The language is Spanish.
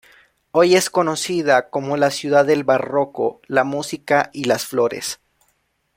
Hoy es conocida como la ciudad del barroco, la música y las flores.